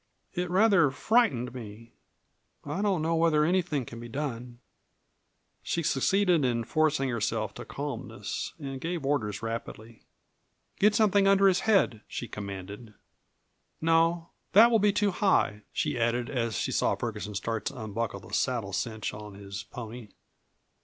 "It rather frightened me. I don't know whether anything can be done." She succeeded in forcing herself to calmness and gave orders rapidly. "Get something under his head," she commanded. "No, that will be too high," she added, as she saw Ferguson start to unbuckle the saddle cinch on his pony.